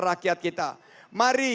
rakyat kita mari